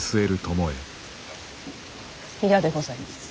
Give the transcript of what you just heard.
嫌でございます。